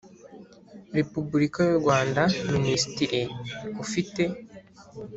Repubulika y u Rwanda Minisitiri ufite